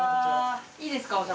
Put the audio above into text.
いいですか？